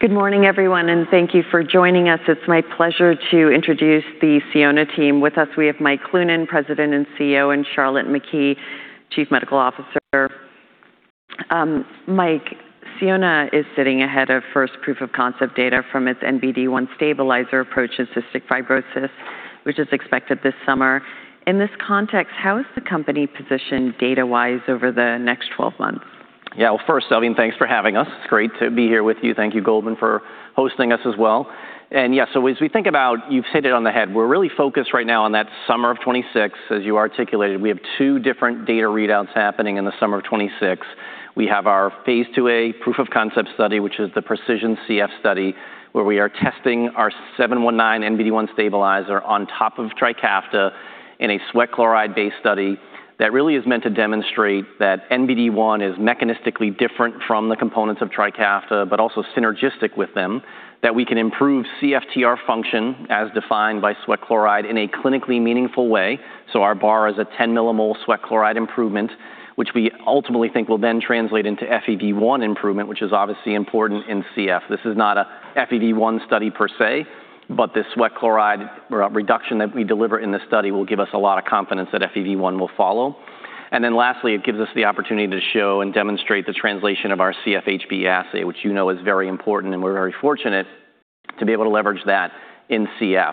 Good morning, everyone, and thank you for joining us. It's my pleasure to introduce the Sionna team. With us, we have Mike Cloonan, President and CEO, and Charlotte McKee, Chief Medical Officer. Mike, Sionna is sitting ahead of first proof-of-concept data from its NBD1 stabilizer approach in cystic fibrosis, which is expected this summer. In this context, how is the company positioned data-wise over the next 12 months? Yeah. First, Salveen, thanks for having us. It's great to be here with you. Thank you, Goldman, for hosting us as well. Yeah. You've hit it on the head. We're really focused right now on that summer of 2026, as you articulated. We have two different data readouts happening in the summer of 2026. We have our phase II-A proof-of-concept study, which is the PreciSION CF study, where we are testing our 719 NBD1 stabilizer on top of Trikafta in a sweat chloride-based study that really is meant to demonstrate that NBD1 is mechanistically different from the components of Trikafta, but also synergistic with them, that we can improve CFTR function as defined by sweat chloride in a clinically meaningful way. Our bar is a 10 mmol/L sweat chloride improvement, which we ultimately think will then translate into FEV1 improvement, which is obviously important in CF. This is not a FEV1 study per se, but this sweat chloride reduction that we deliver in the study will give us a lot of confidence that FEV1 will follow. Lastly, it gives us the opportunity to show and demonstrate the translation of our CFHBE assay, which you know is very important, and we're very fortunate to be able to leverage that in CF.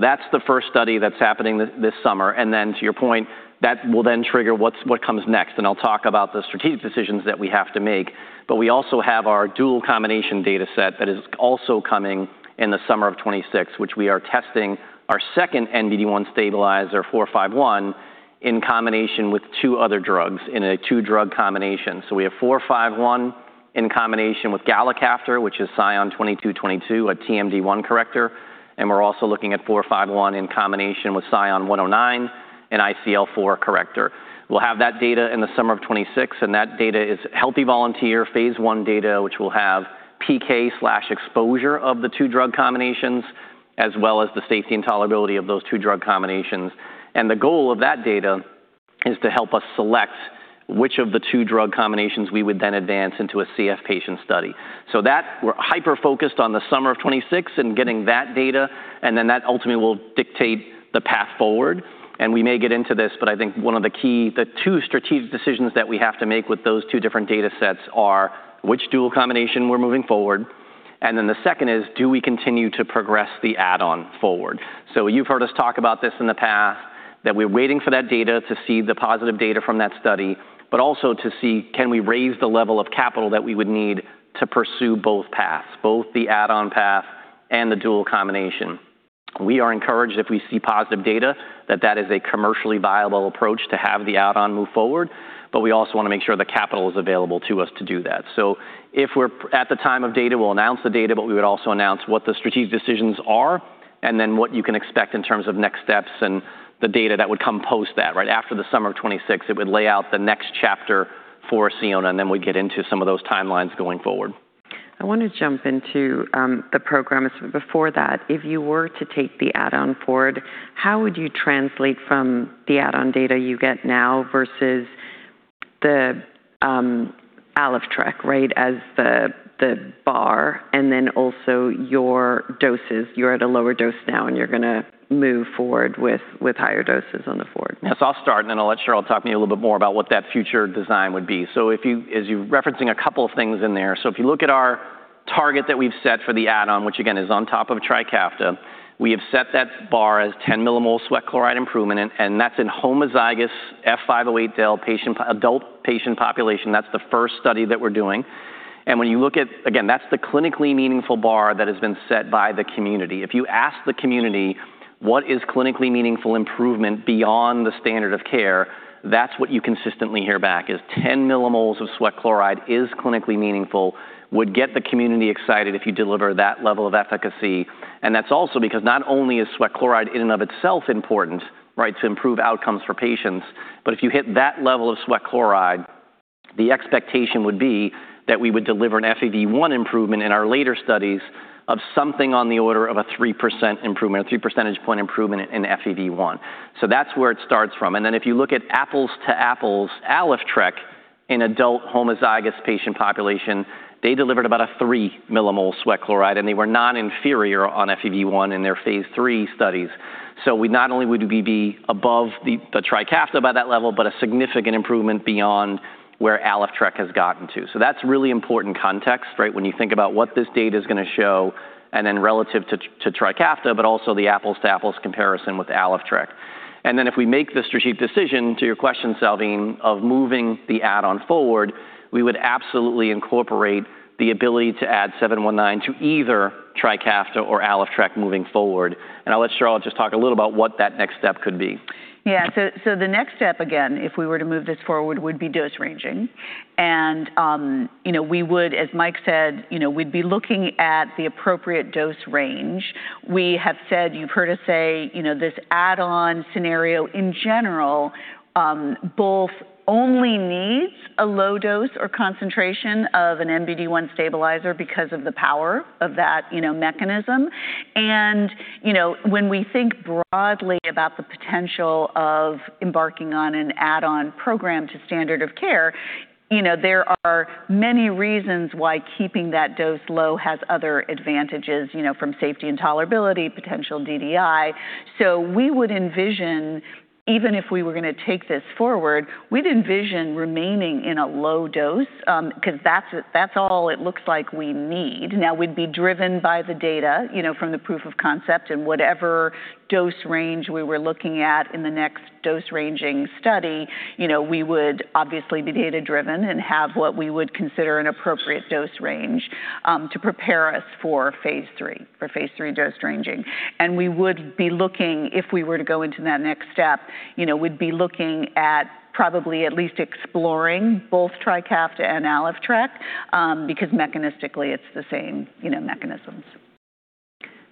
That's the first study that's happening this summer, to your point, that will then trigger what comes next. I'll talk about the strategic decisions that we have to make. We also have our dual combination data set that is also coming in the summer of 2026, which we are testing our second NBD1 stabilizer, 451, in combination with two other drugs in a two-drug combination. We have 451 in combination with galicaftor, which is SION-2222, a TMD1 corrector, and we're also looking at 451 in combination with SION-109, an ICL4 corrector. We'll have that data in the summer of 2026, and that data is healthy volunteer phase I data, which will have PK/exposure of the two-drug combinations, as well as the safety and tolerability of those two-drug combinations. The goal of that data is to help us select which of the two-drug combinations we would then advance into a CF patient study. That, we're hyper-focused on the summer of 2026 and getting that data, and that ultimately will dictate the path forward. We may get into this, but I think one of the key strategic decisions that we have to make with those two different data sets are which dual combination we're moving forward, the second is, do we continue to progress the add-on forward? You've heard us talk about this in the past, that we're waiting for that data to see the positive data from that study, but also to see can we raise the level of capital that we would need to pursue both paths, both the add-on path and the dual combination. We are encouraged if we see positive data that that is a commercially viable approach to have the add-on move forward, we also want to make sure the capital is available to us to do that. If we're at the time of data, we'll announce the data, we would also announce what the strategic decisions are and what you can expect in terms of next steps and the data that would come post that. After the summer of 2026, it would lay out the next chapter for Sionna, we get into some of those timelines going forward. I want to jump into the program. Before that, if you were to take the add-on forward, how would you translate from the add-on data you get now versus the Alyftrek, right, as the bar, also your doses? You're at a lower dose now, and you're going to move forward with higher doses on the forward. Yes, I'll start, I'll let Charlotte talk to you a little bit more about what that future design would be. As you're referencing a couple of things in there. If you look at our target that we've set for the add-on, which again is on top of Trikafta, we have set that bar as 10 mmol/L sweat chloride improvement, and that's in homozygous F508del adult patient population. That's the first study that we're doing. When you look at, again, that's the clinically meaningful bar that has been set by the community. If you ask the community what is clinically meaningful improvement beyond the standard of care, that's what you consistently hear back, is 10 mmol/L of sweat chloride is clinically meaningful, would get the community excited if you deliver that level of efficacy. That's also because not only is sweat chloride in and of itself important to improve outcomes for patients, but if you hit that level of sweat chloride, the expectation would be that we would deliver an FEV1 improvement in our later studies of something on the order of a 3% improvement, a 3 percentage point improvement in FEV1. That's where it starts from. If you look at apples to apples, Alyftrek in adult homozygous patient population, they delivered about a 3 mmol/L sweat chloride, and they were non-inferior on FEV1 in their phase III studies. Not only would we be above the Trikafta by that level, but a significant improvement beyond where Alyftrek has gotten to. That's really important context when you think about what this data is going to show, relative to Trikafta, but also the apples-to-apples comparison with Alyftrek. If we make the strategic decision, to your question, Salveen, of moving the add-on forward, we would absolutely incorporate the ability to add 719 to either Trikafta or Alyftrek moving forward. I'll let Charlotte just talk a little about what that next step could be. Yeah. The next step, again, if we were to move this forward, would be dose ranging. We would, as Mike said, we'd be looking at the appropriate dose range. We have said, you've heard us say, this add-on scenario in general both only needs a low dose or concentration of an NBD1 stabilizer because of the power of that mechanism. When we think broadly about the potential of embarking on an add-on program to standard of care. There are many reasons why keeping that dose low has other advantages, from safety and tolerability, potential DDI. We would envision, even if we were going to take this forward, we'd envision remaining in a low dose, because that's all it looks like we need. Now, we'd be driven by the data from the proof of concept and whatever dose range we were looking at in the next dose-ranging study. We would obviously be data-driven and have what we would consider an appropriate dose range to prepare us for phase III, for phase III dose ranging. We would be looking, if we were to go into that next step, we'd be looking at probably at least exploring both Trikafta and Alyftrek, because mechanistically, it's the same mechanisms.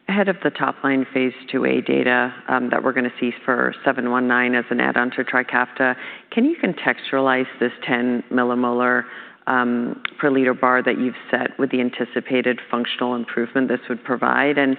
Ahead of the top line phase II-A data that we're going to see for 719 as an add-on to Trikafta, can you contextualize this 10 mmol/L bar that you've set with the anticipated functional improvement this would provide, and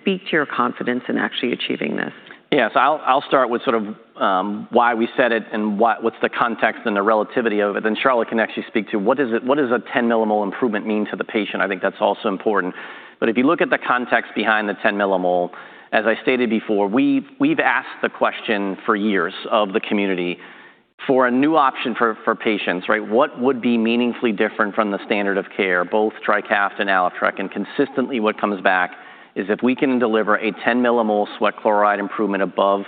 speak to your confidence in actually achieving this? Yes, I'll start with why we set it and what's the context and the relativity of it, then Charlotte can actually speak to what does a 10 mmol/L improvement mean to the patient. I think that's also important. If you look at the context behind the 10 mmol/L, as I stated before, we've asked the question for years of the community for a new option for patients, right? What would be meaningfully different from the standard of care, both Trikafta and Alyftrek? Consistently what comes back is if we can deliver a 10 mmol/L sweat chloride improvement above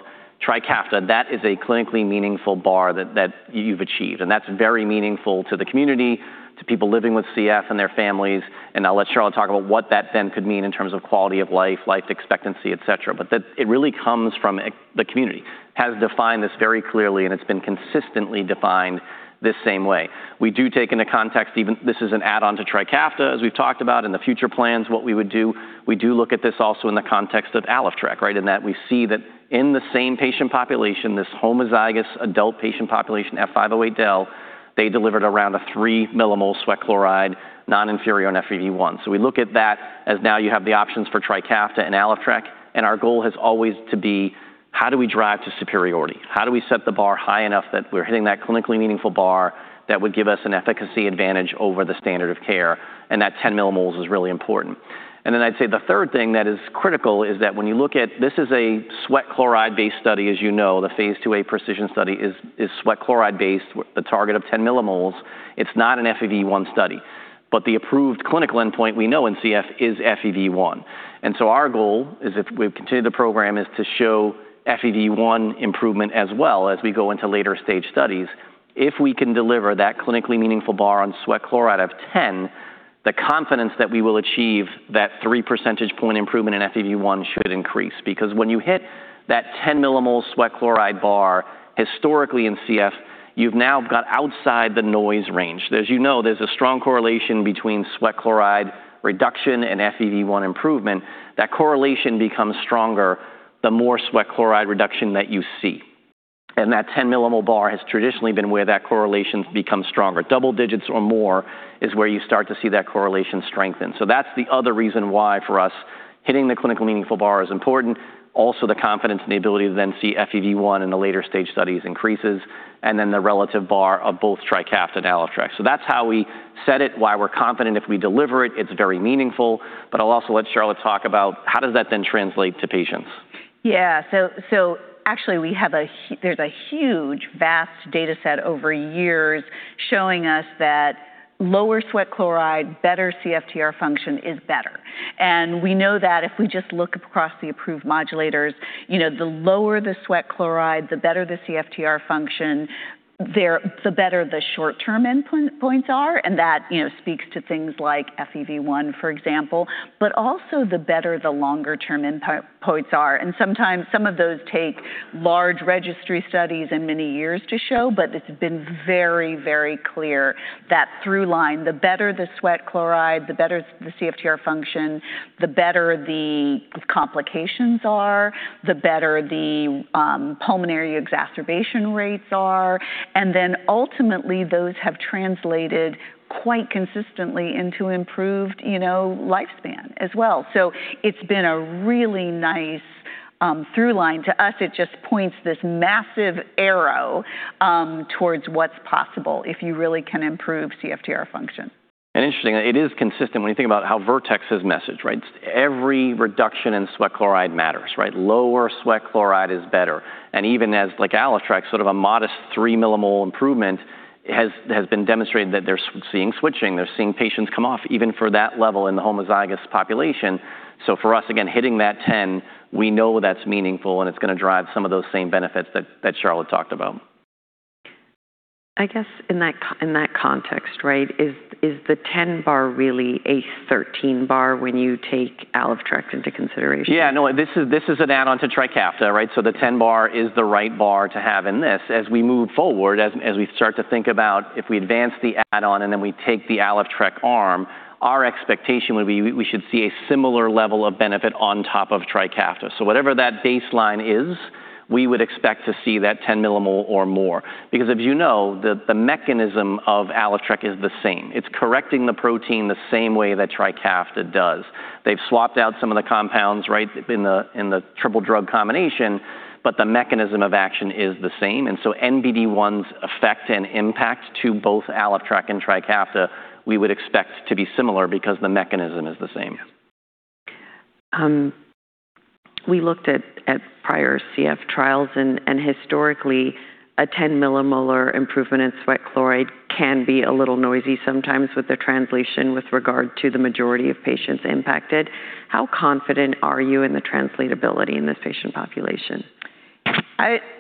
Trikafta, that is a clinically meaningful bar that you've achieved. That's very meaningful to the community, to people living with CF and their families, and I'll let Charlotte talk about what that then could mean in terms of quality of life expectancy, et cetera. It really comes from the community, has defined this very clearly, and it's been consistently defined this same way. We do take into context even this is an add-on to Trikafta, as we've talked about, and the future plans, what we would do. We do look at this also in the context of Alyftrek, right? In that we see that in the same patient population, this homozygous adult patient population, F508del, they delivered around a 3 mmol/L sweat chloride non-inferior on FEV1. We look at that as now you have the options for Trikafta and Alyftrek, and our goal has always to be how do we drive to superiority? How do we set the bar high enough that we're hitting that clinically meaningful bar that would give us an efficacy advantage over the standard of care, and that 10 mmol/L is really important. I'd say the third thing that is critical is that when you look at this is a sweat chloride-based study, as you know. The phase II-A PreciSION study is sweat chloride based with a target of 10 mmol/L. It's not an FEV1 study. The approved clinical endpoint we know in CF is FEV1. Our goal, as we've continued the program, is to show FEV1 improvement as well as we go into later stage studies. If we can deliver that clinically meaningful bar on sweat chloride of 10 mmol/L, the confidence that we will achieve that three percentage point improvement in FEV1 should increase. Because when you hit that 10 mmol/L sweat chloride bar historically in CF, you've now got outside the noise range. As you know, there's a strong correlation between sweat chloride reduction and FEV1 improvement. That correlation becomes stronger the more sweat chloride reduction that you see. That 10 mmol/L bar has traditionally been where that correlation becomes stronger. Double-digits or more is where you start to see that correlation strengthen. That's the other reason why, for us, hitting the clinical meaningful bar is important. Also, the confidence in the ability to then see FEV1 in the later stage studies increases, the relative bar of both Trikafta and Alyftrek. That's how we set it, why we're confident if we deliver it's very meaningful. I'll also let Charlotte talk about how does that then translate to patients. Actually, there's a huge, vast data set over years showing us that lower sweat chloride, better CFTR function is better. We know that if we just look across the approved modulators, the lower the sweat chloride, the better the CFTR function, the better the short-term end points are, that speaks to things like FEV1, for example, also the better the longer-term end points are. Sometimes some of those take large registry studies and many years to show, it's been very clear that through line, the better the sweat chloride, the better the CFTR function, the better the complications are, the better the pulmonary exacerbation rates are, ultimately, those have translated quite consistently into improved lifespan as well. It's been a really nice through line. To us, it just points this massive arrow towards what's possible if you really can improve CFTR function. Interestingly, it is consistent when you think about how Vertex is messaged, right? Every reduction in sweat chloride matters, right? Lower sweat chloride is better. Even as Alyftrek sort of a modest 3 mmol/L improvement has been demonstrated that they're seeing switching, they're seeing patients come off even for that level in the homozygous population. For us, again, hitting that 10 mmol/L, we know that's meaningful and it's going to drive some of those same benefits that Charlotte talked about. I guess in that context, right? Is the 10 mmol/L bar really a 13 mmol/L bar when you take Alyftrek into consideration? Yeah, no, this is an add-on to Trikafta, right? The 10 mmol/L bar is the right bar to have in this. As we move forward, as we start to think about if we advance the add-on and then we take the Alyftrek arm, our expectation would be we should see a similar level of benefit on top of Trikafta. Whatever that baseline is, we would expect to see that 10 mmol/L or more. If you know, the mechanism of Alyftrek is the same. It's correcting the protein the same way that Trikafta does. They've swapped out some of the compounds, right, in the triple drug combination, but the mechanism of action is the same. NBD1's effect and impact to both Alyftrek and Trikafta, we would expect to be similar because the mechanism is the same. We looked at prior CF trials, historically, a 10 mmol/L improvement in sweat chloride can be a little noisy sometimes with the translation with regard to the majority of patients impacted. How confident are you in the translatability in this patient population?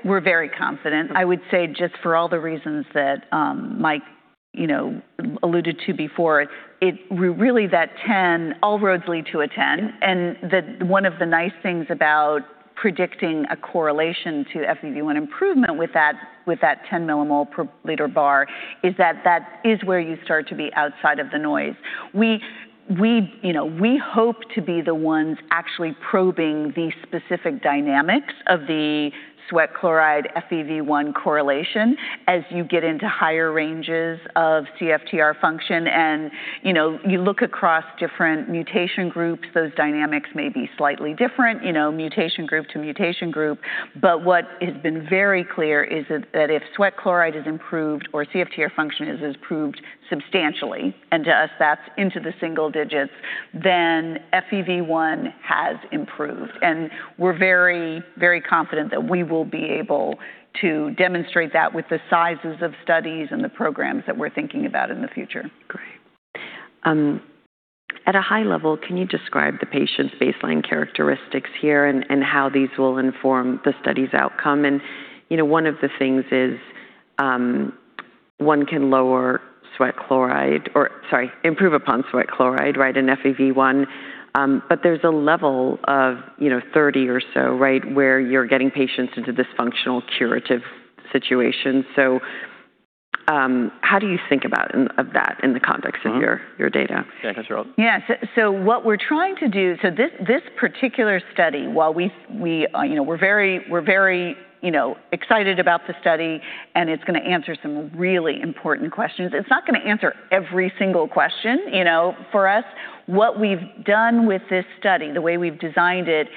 We're very confident. I would say just for all the reasons that Mike alluded to before, really that all roads lead to a 10 mmol/L. One of the nice things about predicting a correlation to FEV1 improvement with that 10 mmol/L bar is that is where you start to be outside of the noise. We hope to be the ones actually probing the specific dynamics of the sweat chloride FEV1 correlation. As you get into higher ranges of CFTR function, and you look across different mutation groups, those dynamics may be slightly different, mutation group to mutation group. What has been very clear is that if sweat chloride is improved or CFTR function is improved substantially, and to us, that's into the single-digits, then FEV1 has improved. We're very, very confident that we will be able to demonstrate that with the sizes of studies and the programs that we're thinking about in the future. Great. At a high level, can you describe the patient's baseline characteristics here and how these will inform the study's outcome? One of the things is one can lower sweat chloride or sorry, improve upon sweat chloride in FEV1. There's a level of 30 mmol/L or so where you're getting patients into this functional curative situation. How do you think about that in the context of your data? Yeah. Can you answer, Charlotte? Yeah. What we're trying to do, this particular study, while we're very excited about the study, it's going to answer some really important questions, it's not going to answer every single question. For us, what we've done with this study, the way we've designed it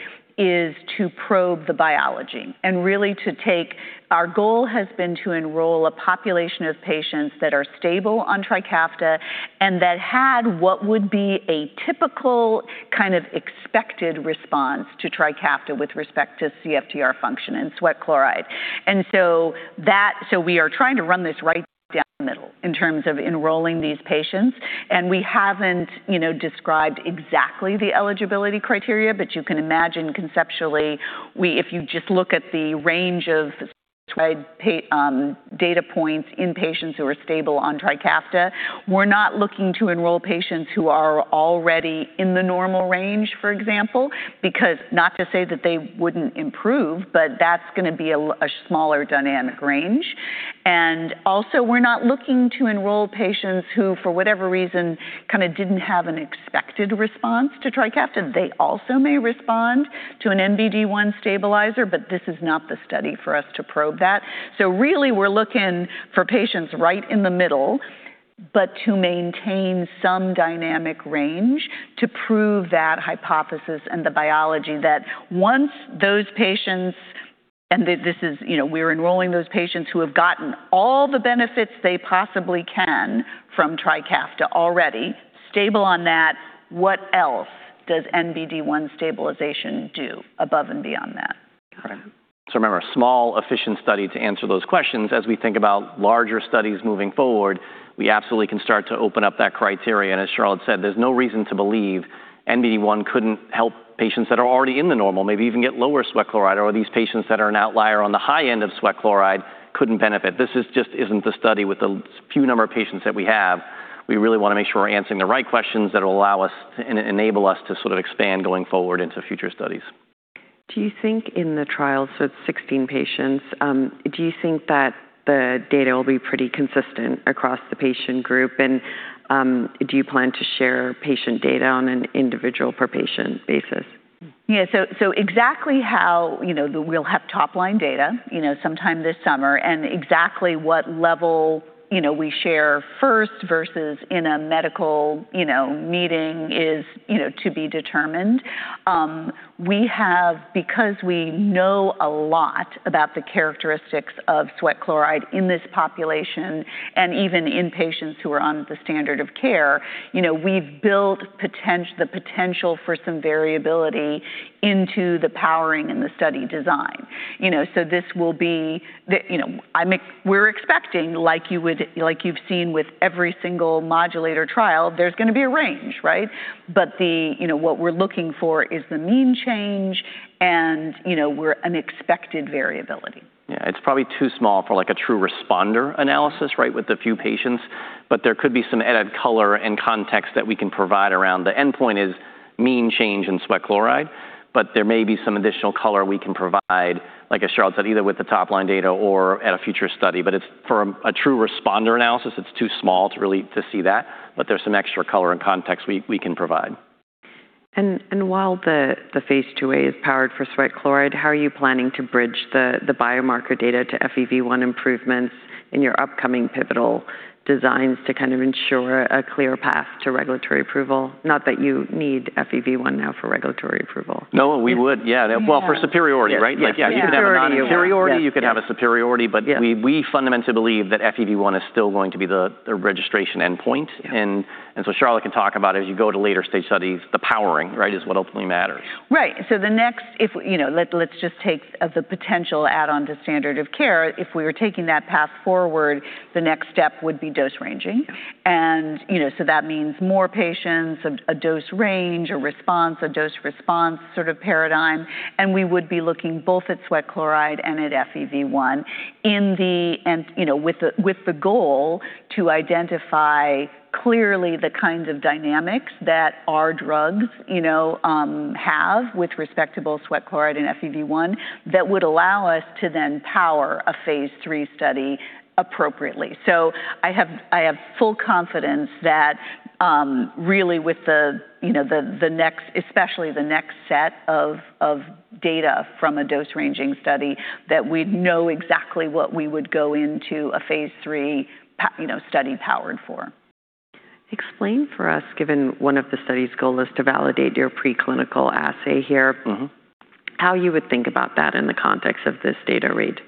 is to probe the biology and really to take our goal has been to enroll a population of patients that are stable on Trikafta and that had what would be a typical kind of expected response to Trikafta with respect to CFTR function and sweat chloride. We are trying to run this right down the middle in terms of enrolling these patients. We haven't described exactly the eligibility criteria, but you can imagine conceptually, if you just look at the range of sweat chloride data points in patients who are stable on Trikafta, we're not looking to enroll patients who are already in the normal range, for example. Not to say that they wouldn't improve, but that's going to be a smaller dynamic range. Also, we're not looking to enroll patients who, for whatever reason, kind of didn't have an expected response to Trikafta. They also may respond to an NBD1 stabilizer, but this is not the study for us to probe that. Really, we're looking for patients right in the middle, but to maintain some dynamic range to prove that hypothesis and the biology that once those patients, and we're enrolling those patients who have gotten all the benefits they possibly can from Trikafta already, stable on that, what else does NBD1 stabilization do above and beyond that? Got it. Remember, a small, efficient study to answer those questions. As we think about larger studies moving forward, we absolutely can start to open up that criteria. As Charlotte said, there's no reason to believe NBD1 couldn't help patients that are already in the normal, maybe even get lower sweat chloride or these patients that are an outlier on the high end of sweat chloride couldn't benefit. This just isn't the study with the few number of patients that we have. We really want to make sure we're answering the right questions that'll enable us to sort of expand going forward into future studies. Do you think in the trial, so it's 16 patients, do you think that the data will be pretty consistent across the patient group? Do you plan to share patient data on an individual per patient basis? Yeah. We'll have top-line data sometime this summer, exactly what level we share first versus in a medical meeting is to be determined. We know a lot about the characteristics of sweat chloride in this population and even in patients who are on the standard of care, we've built the potential for some variability into the powering and the study design. We're expecting, like you've seen with every single modulator trial, there's going to be a range. What we're looking for is the mean change and an expected variability. Yeah. It's probably too small for a true responder analysis with the few patients. There could be some added color and context that we can provide around the endpoint is mean change in sweat chloride. There may be some additional color we can provide, like as Charlotte said, either with the top-line data or at a future study. For a true responder analysis, it's too small to see that. There's some extra color and context we can provide. While the phase II-A is powered for sweat chloride, how are you planning to bridge the biomarker data to FEV1 improvements in your upcoming pivotal designs to kind of ensure a clear path to regulatory approval? Not that you need FEV1 now for regulatory approval. No, we would. Yeah. Well, for superiority, right? Yeah. You could have a non-superiority. You could have a superiority, but we fundamentally believe that FEV1 is still going to be the registration endpoint. Charlotte can talk about as you go to later-stage studies, the powering, is what ultimately matters. Right. Let's just take as a potential add-on to standard of care. If we were taking that path forward, the next step would be dose ranging. That means more patients, a dose range, a response, a dose response sort of paradigm, and we would be looking both at sweat chloride and at FEV1 with the goal to identify clearly the kinds of dynamics that our drugs have with respectable sweat chloride and FEV1 that would allow us to then power a phase III study appropriately. I have full confidence that really with especially the next set of data from a dose-ranging study, that we'd know exactly what we would go into a phase III study powered for. Explain for us, given one of the study's goal is to validate your preclinical assay here. How you would think about that in the context of this data read.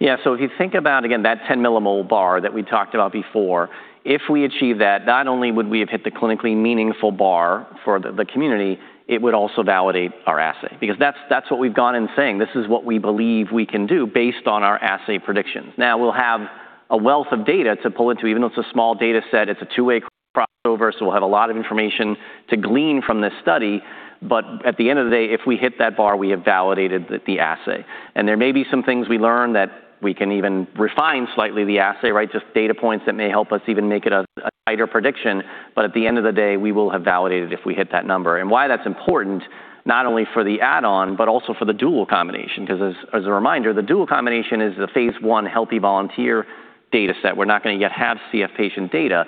Yeah. If you think about, again, that 10 mmol/L bar that we talked about before, if we achieve that, not only would we have hit the clinically meaningful bar for the community, it would also validate our assay because that's what we've gone in saying. This is what we believe we can do based on our assay predictions. Now, we'll have a wealth of data to pull into, even though it's a small data set. It's a two-way crossover, so we'll have a lot of information to glean from this study. But at the end of the day, if we hit that bar, we have validated the assay. There may be some things we learn that we can even refine slightly the assay, just data points that may help us even make it a tighter prediction. At the end of the day, we will have validated if we hit that number. Why that's important, not only for the add-on but also for the dual combination, because as a reminder, the dual combination is the phase I healthy volunteer data set. We're not going to yet have CF patient data,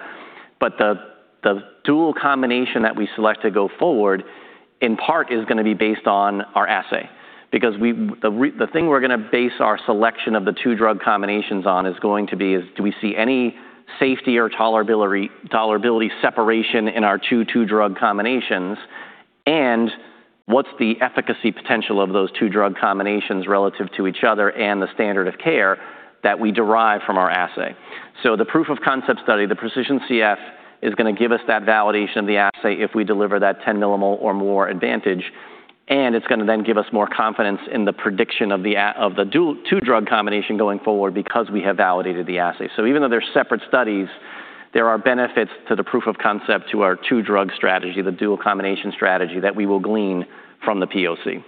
but the dual combination that we select to go forward, in part, is going to be based on our assay. The thing we're going to base our selection of the two-drug combinations on is going to be is do we see any safety or tolerability separation in our two-drug combinations, and what's the efficacy potential of those two-drug combinations relative to each other and the standard of care that we derive from our assay? The proof of concept study, the PreciSION CF, is going to give us that validation of the assay if we deliver that 10 mmol/L or more advantage, and it's going to then give us more confidence in the prediction of the two-drug combination going forward because we have validated the assay. Even though they're separate studies, there are benefits to the proof of concept to our two-drug strategy, the dual combination strategy that we will glean from the POC.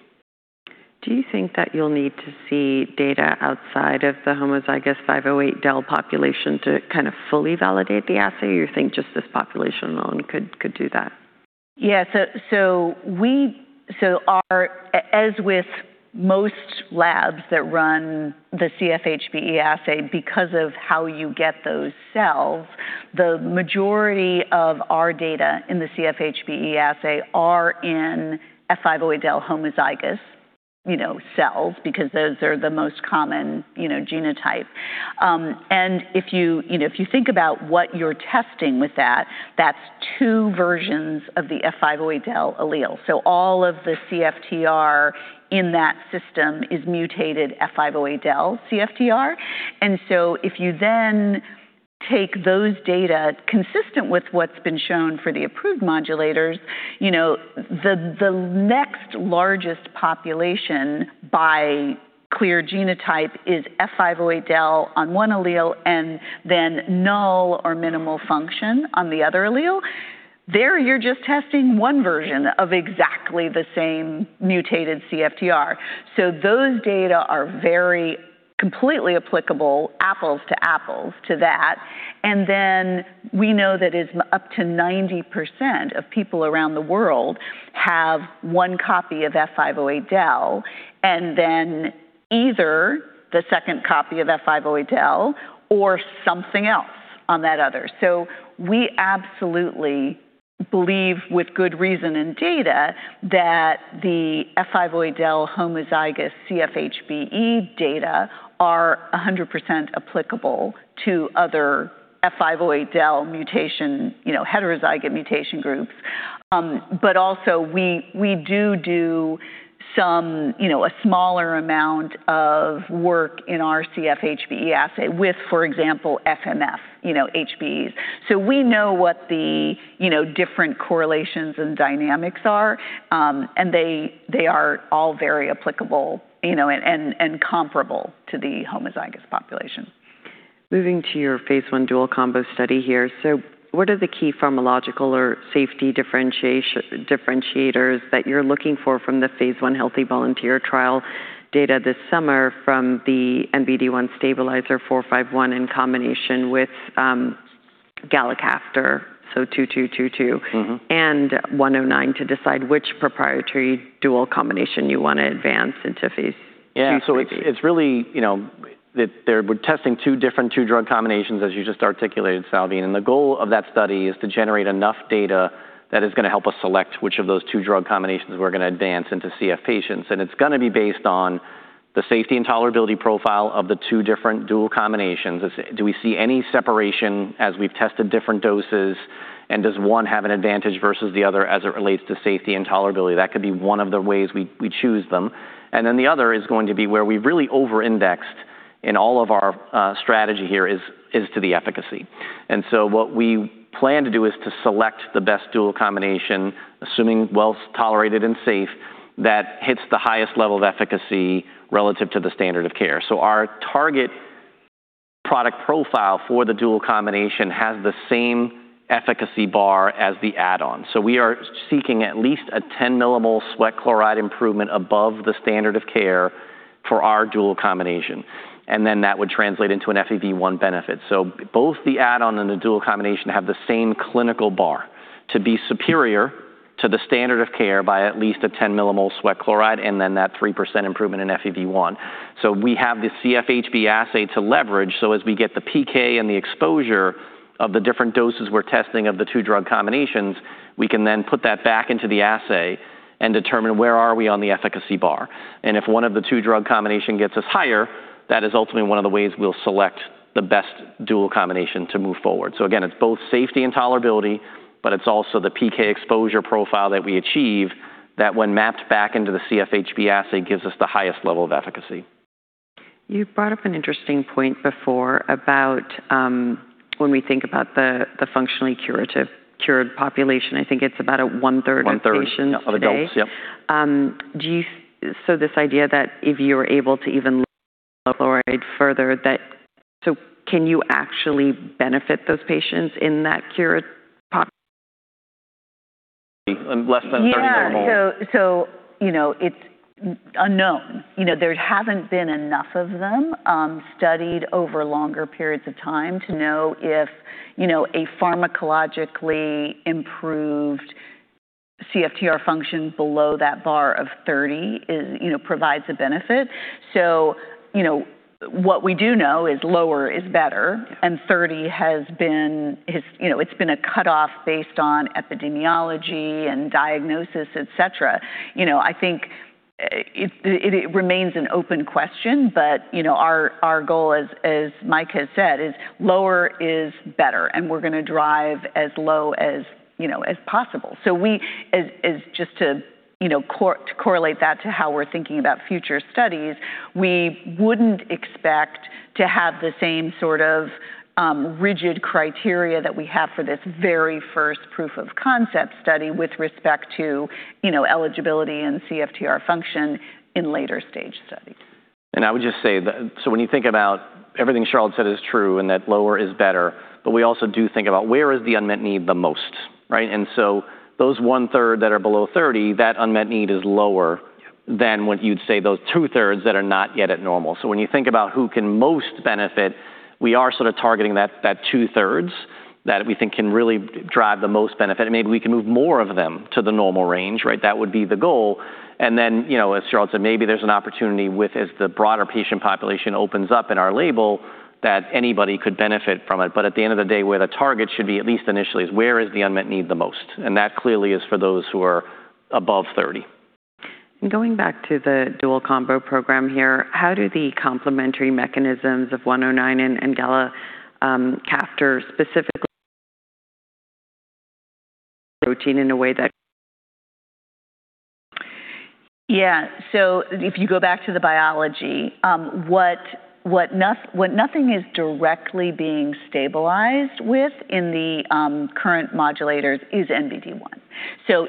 Do you think that you'll need to see data outside of the homozygous F508del population to kind of fully validate the assay or you think just this population alone could do that? Yeah. As with most labs that run the CFHBE assay, because of how you get those cells, the majority of our data in the CFHBE assay are in F508del homozygous cells because those are the most common genotype. If you think about what you're testing with that's two versions of the F508del allele. All of the CFTR in that system is mutated F508del CFTR. If you then take those data consistent with what's been shown for the approved modulators, the next largest population by clear genotype is F508del on one allele and then null or minimal function on the other allele. There, you're just testing one version of exactly the same mutated CFTR. Those data are very completely applicable, apples to apples to that. We know that up to 90% of people around the world have one copy of F508del, and then either the second copy of F508del or something else on that other. We absolutely believe with good reason and data that the F508del homozygous CFHBE data are 100% applicable to other F508del mutation, heterozygote mutation groups. But also we do do a smaller amount of work in our CFHBE assay with, for example, F/F, you know, HBEs. We know what the different correlations and dynamics are, and they are all very applicable and comparable to the homozygous population. Moving to your phase I dual combo study here, what are the key pharmacological or safety differentiators that you're looking for from the phase I healthy volunteer trial data this summer from the NBD1 stabilizer 451 in combination with galicaftor, 2222 and 109 to decide which proprietary dual combination you want to advance into phase II and III? Yeah. We're testing two different two-drug combinations, as you just articulated, Salveen, the goal of that study is to generate enough data that is going to help us select which of those two-drug combinations we're going to advance into CF patients. It's going to be based on the safety and tolerability profile of the two different dual combinations. Do we see any separation as we've tested different doses? Does one have an advantage versus the other as it relates to safety and tolerability? That could be one of the ways we choose them. The other is going to be where we've really over-indexed in all of our strategy here, is to the efficacy. What we plan to do is to select the best dual combination, assuming well-tolerated and safe, that hits the highest level of efficacy relative to the standard of care. Our target product profile for the dual combination has the same efficacy bar as the add-on. We are seeking at least a 10 mmol/L sweat chloride improvement above the standard of care for our dual combination. That would translate into an FEV1 benefit. Both the add-on and the dual combination have the same clinical bar to be superior to the standard of care by at least a 10 mmol/L sweat chloride, that 3% improvement in FEV1. We have the CFHBE assay to leverage, as we get the PK and the exposure of the different doses we're testing of the two-drug combinations, we can then put that back into the assay and determine where are we on the efficacy bar. If one of the two-drug combination gets us higher, that is ultimately one of the ways we'll select the best dual combination to move forward. Again, it's both safety and tolerability, but it's also the PK exposure profile that we achieve that when mapped back into the CFHBE assay, gives us the highest level of efficacy. You brought up an interesting point before about when we think about the functionally cured population, I think it's about 1/3 of patients today. 1/3 of adults, yeah. This idea that if you are able to even chloride further, can you actually benefit those patients in that cured pop? Less than 30 mmol/L. Yeah. It's unknown. There haven't been enough of them studied over longer periods of time to know if a pharmacologically improved CFTR function below that bar of 30 mmol/L provides a benefit. What we do know is lower is better, and 30 mmol/L has been a cutoff based on epidemiology and diagnosis, et cetera. I think it remains an open question, but our goal is, as Mike has said, is lower is better, and we're going to drive as low as possible. Just to correlate that to how we're thinking about future studies, we wouldn't expect to have the same sort of rigid criteria that we have for this very first proof of concept study with respect to eligibility and CFTR function in later stage studies. I would just say that, when you think about everything Charlotte said is true and that lower is better, we also do think about where is the unmet need the most, right? Those 1/3 that are below 30 mmol/L, that unmet need is lower than what you'd say those 2/3 that are not yet at normal. When you think about who can most benefit, we are sort of targeting that 2/3 that we think can really drive the most benefit, and maybe we can move more of them to the normal range, right? That would be the goal. As Charlotte said, maybe there's an opportunity with as the broader patient population opens up in our label that anybody could benefit from it. At the end of the day, where the target should be, at least initially, is where is the unmet need the most? That clearly is for those who are above 30 mmol/L. Going back to the dual combo program here, how do the complementary mechanisms of 109 and galicaftor specifically protein in a way that Yeah. If you go back to the biology, what nothing is directly being stabilized with in the current modulators is NBD1.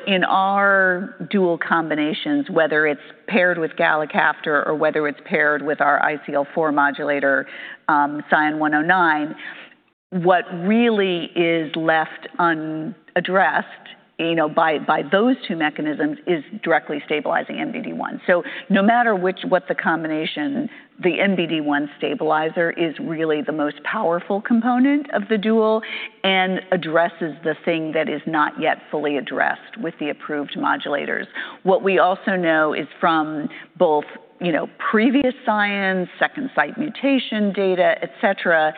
In our dual combinations, whether it's paired with galicaftor or whether it's paired with our ICL4 modulator, SION-109, what really is left unaddressed by those two mechanisms is directly stabilizing NBD1. No matter what the combination, the NBD1 stabilizer is really the most powerful component of the dual and addresses the thing that is not yet fully addressed with the approved modulators. What we also know is from both previous science, second site mutation data, et cetera,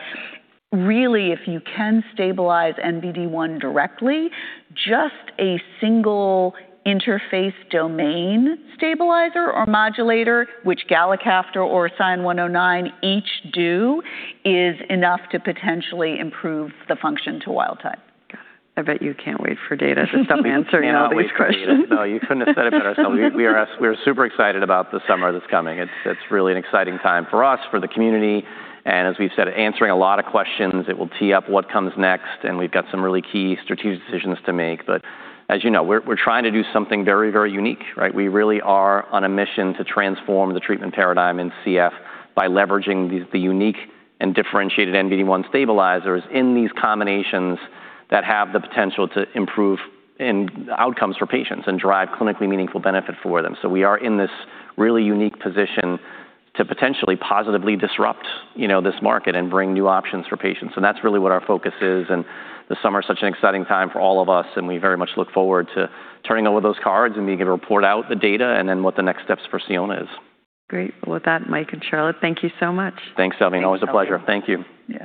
really, if you can stabilize NBD1 directly, just a single interface domain stabilizer or modulator, which galicaftor or SION-109 each do, is enough to potentially improve the function to wild type. Got it. I bet you can't wait for data to start answering all these questions. Can't wait for data. No, you couldn't have said it better ourselves. We are super excited about the summer that's coming. It's really an exciting time for us, for the community, and as we've said, answering a lot of questions. It will tee up what comes next, and we've got some really key strategic decisions to make. As you know, we're trying to do something very unique, right? We really are on a mission to transform the treatment paradigm in CF by leveraging the unique and differentiated NBD1 stabilizers in these combinations that have the potential to improve outcomes for patients and drive clinically meaningful benefit for them. We are in this really unique position to potentially positively disrupt this market and bring new options for patients. That's really what our focus is, and the summer's such an exciting time for all of us, and we very much look forward to turning over those cards and being able to report out the data and then what the next steps for Sionna is. Great. Well, with that, Mike and Charlotte, thank you so much. Thanks, Salveen. Always a pleasure. Thank you. Yeah.